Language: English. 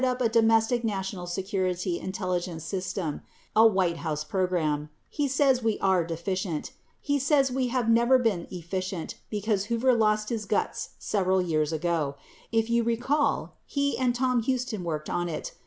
what Bill Sullivan's desire in life is, is to set up a domestic national security intelligence system, a White House program. He says we are deficient. He says we have never been efficient, because Hoover lost his guts several years ago. If you recall he and Tom Huston worked on it.